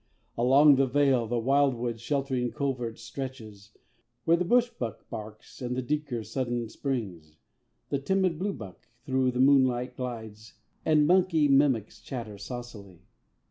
Along the vale The wildwood's sheltering covert stretches, where The bushbok barks; the duiker, sudden, springs; The timid bluebok through the moonlight glides; And monkey mimics chatter saucily.